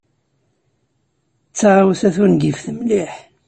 D taɣawsa tungift mliḥ.